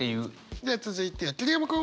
では続いては桐山君。